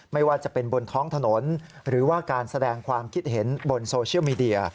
ไม่ว่าจะเป็นบนท้องถนนหรือว่าการแสดงความคิดเห็นบนโซเชียลมีเดีย